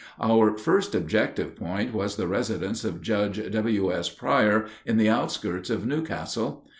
Our first objective point was the residence of Judge W.S. Pryor, in the outskirts of New Castle.